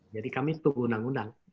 jadi kami tunggu undang undang